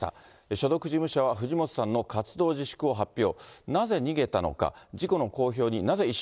所属事務所は、藤本さんの活動自粛を発表。